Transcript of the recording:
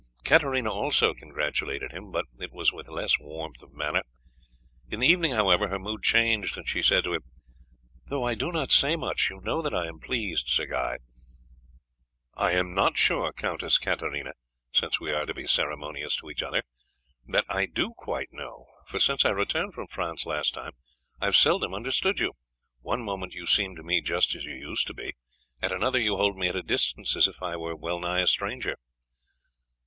Katarina, also, congratulated him, but it was with less warmth of manner. In the evening, how ever, her mood changed, and she said to him: "Though I do not say much, you know that I am pleased, Sir Guy." [Illustration: "KATARINA SWEPT A DEEP CURTSEY, AND WENT OFF WITH A MERRY LAUGH."] "I am not sure, Countess Katarina since we are to be ceremonious to each other that I do quite know, for since I returned from France last time, I have seldom understood you; one moment you seem to me just as you used to be, at another you hold me at a distance, as if I were well nigh a stranger."